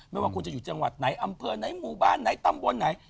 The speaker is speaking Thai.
ไม่ว่าคุณจะอยู่จังหวัดไหนอำเภอไหนหมู่บ้านไหนตำบลไหน